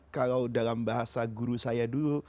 kalau dalam bahasa guru saya dulu